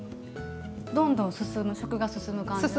どんどん食が進む感じ。